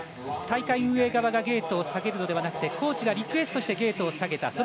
大会運営側がゲートを下げるのではなくてコーチがリクエストしてゲートを下げた。